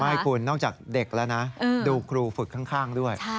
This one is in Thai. ไม่คุณนอกจากเด็กแล้วนะดูครูฝึกข้างด้วย